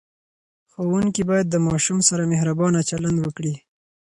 ښوونکي باید د ماشوم سره مهربانه چلند وکړي.